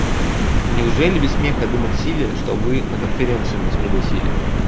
Неужели без смеха думать в силе, что вы на конференцию нас пригласили?